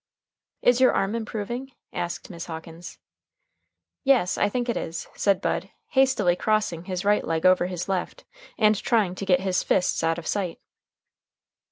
"Is your arm improving?" asked Miss Hawkins. "Yes, I think it is," said Bud, hastily crossing his right leg over his left, and trying to get his fists out of sight.